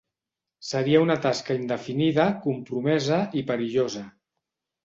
Seria una tasca indefinida, compromesa i perillosa.